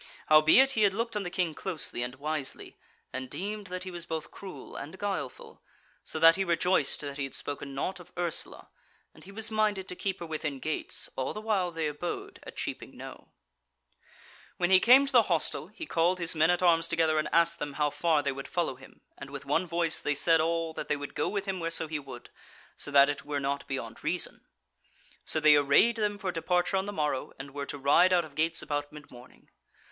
Howbeit he had looked on the King closely and wisely, and deemed that he was both cruel and guileful, so that he rejoiced that he had spoken naught of Ursula, and he was minded to keep her within gates all the while they abode at Cheaping Knowe. When he came to the hostel he called his men at arms together and asked them how far they would follow him, and with one voice they said all that they would go with him whereso he would, so that it were not beyond reason. So they arrayed them for departure on the morrow, and were to ride out of gates about mid morning.